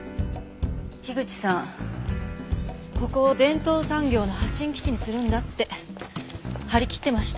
口さんここを伝統産業の発信基地にするんだって張り切ってました。